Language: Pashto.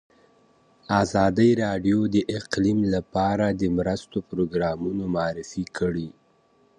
ازادي راډیو د اقلیم لپاره د مرستو پروګرامونه معرفي کړي.